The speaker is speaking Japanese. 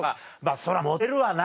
そらモテるわな。